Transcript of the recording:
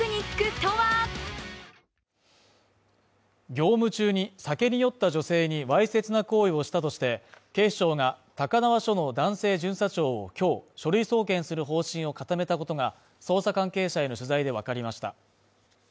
業務中に酒に酔った女性にわいせつな行為をしたとして、警視庁が高輪署の男性巡査長を今日書類送検する方針を固めたことが捜査関係者への取材でわかりました。